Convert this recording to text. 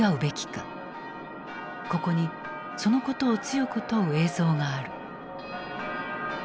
ここにそのことを強く問う映像がある。